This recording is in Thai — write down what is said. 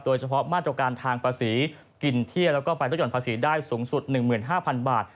โดยเฉพาะมาตรการทางภาษีกินเที่ยวแล้วก็ไปลดห่อนภาษีได้สูงสุด๑๕๐๐๐บาท